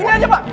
ini aja pak